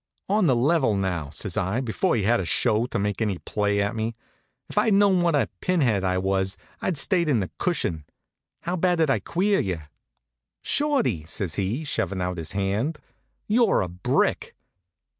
"On the level, now," says I, before he had a show to make any play at me, "if I'd known what a pinhead I was, I'd stayed in the cushion. How bad did I queer you?" "Shorty," says he, shovin' out his hand, "you're a brick."